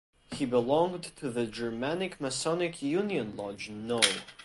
He belonged to the Germanic Masonic Union Lodge no.